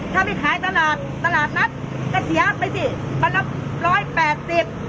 ถ้าไปขายตลาดตลาดนัดกระเทียบไปสิประลับร้อยแปดสิบ